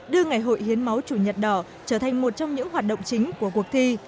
đưa ngày hội hiến máu chủ nhật đỏ trở thành một trong những hoạt động chính của cuộc thi